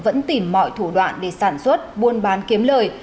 vẫn tìm mọi thủ đoạn để sản xuất buôn bán kiếm lời